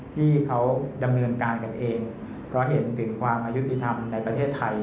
ที่เขาดำเนินการกันเองเพราะเห็นถึงความอายุติธรรมในประเทศไทย